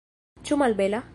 Ĉu malbela?